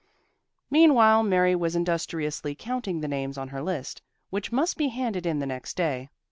Meanwhile Mary was industriously counting the names on her list, which must be handed in the next day.